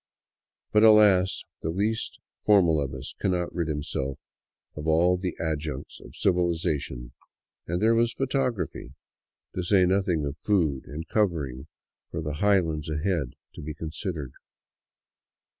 But, alas, the least formal of us cannot rid himself of all the adjuncts of civilization; and there was photography, to say noth 249 VAGABONDING DOWN THE ANDES ing of food and covering for the highlands ahead, to be considered.